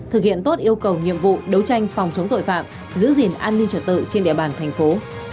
thực hiện tốt yêu cầu nhiệm vụ đấu tranh phòng chống tội phạm giữ gìn an ninh trật tự trên địa bàn thành phố